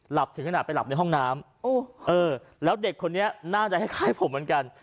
ถึงขนาดไปหลับในห้องน้ำแล้วเด็กคนนี้น่าจะคล้ายผมเหมือนกัน